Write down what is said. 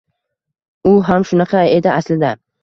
U ham shunda edi aslida.